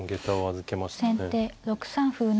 先手６三歩成。